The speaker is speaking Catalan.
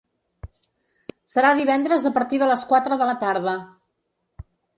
Serà divendres a partir de les quatre de la tarda.